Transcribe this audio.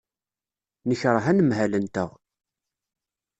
Nekṛeh anemhal-nteɣ.